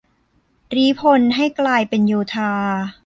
รี้พลให้กลายเป็นโยธา